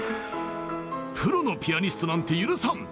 プロのピアニストなんて許さん！